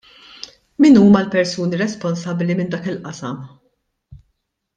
Min huma l-persuni responsabbli minn dak il-qasam?